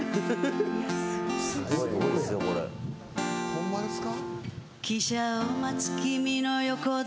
ホンマですか？